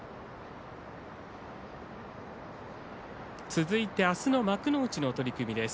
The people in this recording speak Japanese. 続いて明日の幕内の取組です。